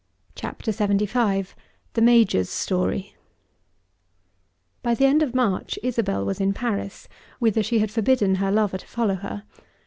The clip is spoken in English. CHAPTER LXXV The Major's Story By the end of March Isabel was in Paris, whither she had forbidden her lover to follow her.